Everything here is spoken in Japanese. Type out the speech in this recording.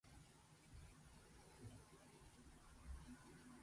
髪を乾かしました。